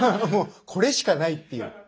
これしかないっていう。